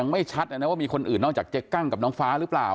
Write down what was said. แต่ในคลิปนี้มันก็ยังไม่ชัดนะว่ามีคนอื่นนอกจากเจ๊กั้งกับน้องฟ้าหรือเปล่าเนอะ